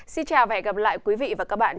xin chào và hẹn gặp lại quý vị và các bạn